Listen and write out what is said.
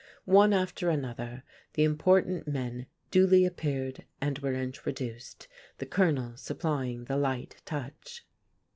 One after another the "important" men duly appeared and were introduced, the Colonel supplying the light touch.